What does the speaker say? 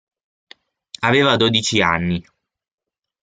Aveva dodici anni.